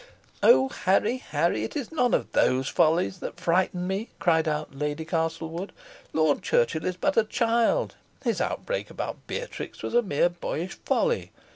"Oh! Harry, Harry, it is none of these follies that frighten me," cried out Lady Castlewood. "Lord Churchill is but a child, his outbreak about Beatrix was a mere boyish folly.